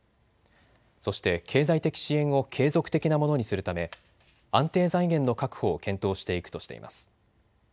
そして経済的支援を継続的なものにするため安定財源の確保を検討していくとしています。